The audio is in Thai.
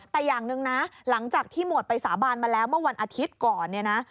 แต่อย่างหนึ่งนะหลังจากที่หมวดไปสาบานมาแล้วเมื่อวันอาทิตย์ก่อนเนี่ยนะ